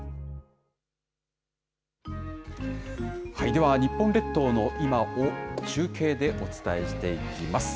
では、日本列島の今を中継でお伝えしていきます。